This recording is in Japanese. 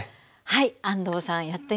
はい。